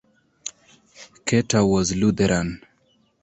Cater was Lutheran.